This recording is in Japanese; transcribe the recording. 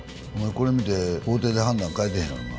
これ見て法廷で判断変えてへんやろな？